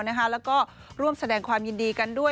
แล้วก็ร่วมแสดงความยินดีกันด้วย